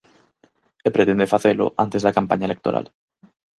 E pretende facelo antes da campaña electoral.